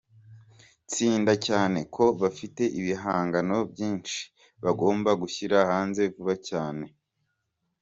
tsinda cyane ko bafite ibihangano byinshi bagomba gushyira hanze vuba cyane mu